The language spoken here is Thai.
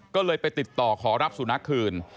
ก็เลยไปติดต่อขอรับสุนัขคืน